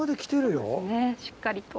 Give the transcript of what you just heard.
しっかりと。